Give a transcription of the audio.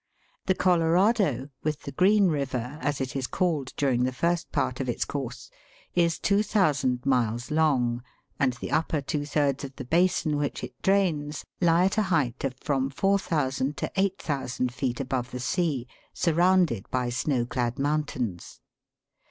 The Colorado, with the Green River, as it is called during the first part of its course, is 2,000 miles long, and the upper two thirds of the basin which it drains lie at a height of from 4,000 to 8,000 feet above the sea, surrounded by snow clad mountains.